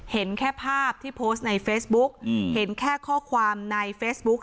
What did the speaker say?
เห็นแค่ภาพที่โพสต์ในเฟซบุ๊กเห็นแค่ข้อความในเฟซบุ๊ค